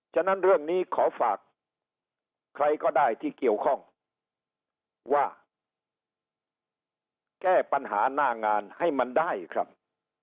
ฉะนั้นเรื่องนี้ขอฝากใครก็ได้ที่เกี่ยวข้องว่าแก้ปัญหาหน้างานให้มันได้ครับ